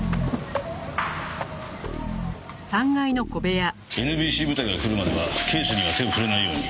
ＮＢＣ部隊が来るまではケースには手を触れないように。